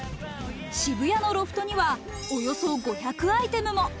渋谷のロフトには、およそ５００アイテムも。